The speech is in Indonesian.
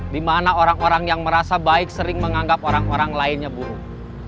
di mana orang orang yang merasa baik sering menganggap orang orang lainnya buruk